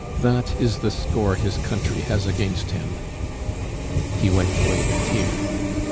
That is the score his country has against him!" He wiped away a tear.